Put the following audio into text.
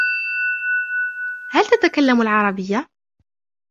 هل تتكلم العربية ؟